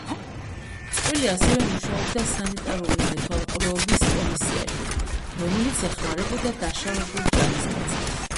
წყვილი ასევე მუშაობდა სანიტარული მეთვალყურეობის კომისიაში, რომელიც ეხმარებოდა დაშავებულ ჯარისკაცებს.